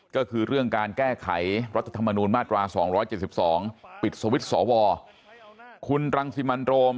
ก็คือเรื่องการแก้ไขรัฐธรรมนูญมาตรา๒๗๒ปิดสวิตช์สวคุณรังสิมันโรม